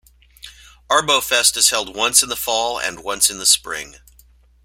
Arbo-Fest is held once in the fall and once in the spring.